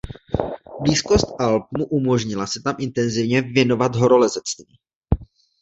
Blízkost Alp mu umožnila se tam intenzivně věnovat horolezectví.